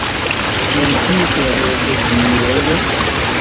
Sur kiu planedo vi loĝas?